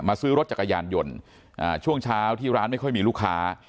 ซื้อรถจักรยานยนต์ช่วงเช้าที่ร้านไม่ค่อยมีลูกค้า